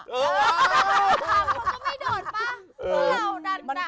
เออฟังเราก็ไม่โดดป่ะ